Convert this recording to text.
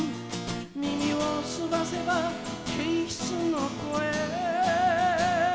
「耳を澄ませば警蹕の声」